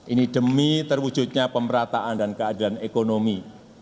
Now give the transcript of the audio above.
ini demi terwujudnya pemerataan dan keadilan ekonomi